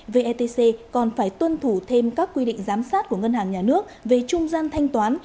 vetc còn phải tuân thủ thêm các quy định giám sát của ngân hàng nhà nước về trung gian thanh toán